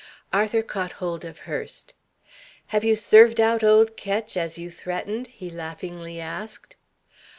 Arthur caught hold of Hurst. "Have you 'served out' old Ketch, as you threatened?" he laughingly asked.